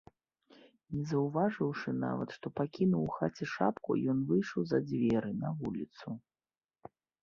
Не заўважыўшы нават, што пакінуў у хаце шапку, ён выйшаў за дзверы, на вуліцу.